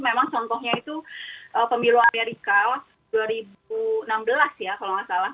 memang contohnya itu pemilu amerika dua ribu enam belas ya kalau nggak salah